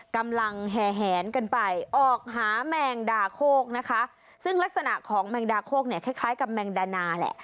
แห่แหนกันไปออกหาแมงดาโคกนะคะซึ่งลักษณะของแมงดาโคกเนี่ยคล้ายคล้ายกับแมงดานาแหละ